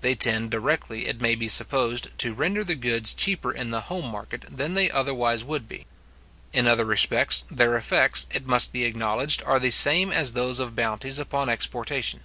They tend directly, it may be supposed, to render the goods cheaper in the home market than they otherwise would be. In other respects, their effects, it must be acknowledged, are the same as those of bounties upon exportation.